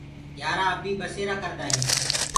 گھيآرآ اب بي ٻسيرآ ڪري هينٚ